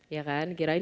iya kan kirain